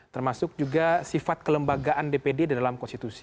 termasuk juga sifat kelembagaan dpd di dalam konstitusi